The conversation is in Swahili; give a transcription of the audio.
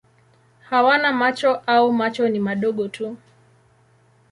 Hawana macho au macho ni madogo tu.